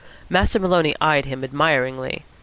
Master Maloney eyed him admiringly.